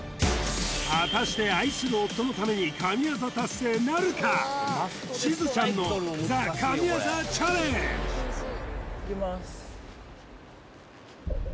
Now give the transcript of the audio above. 果たして愛する夫のために神業達成なるかしずちゃんのＴＨＥ神業チャレンジいきます